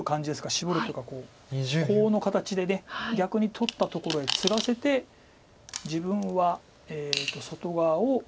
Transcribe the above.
シボるというかコウの形で逆に取ったところへツガせて自分は外側を。